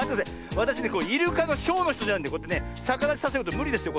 わたしねイルカのショーのひとじゃないんでさかだちさせることむりですよ